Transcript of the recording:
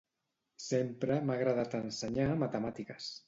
Sempre m'ha agradat ensenyar matemàtiques